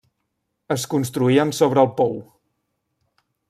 Es construïen sobre el pou.